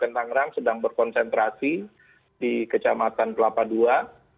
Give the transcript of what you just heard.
kabupaten tangerang sedang berkonsentrasi di kecamatan kelapa dua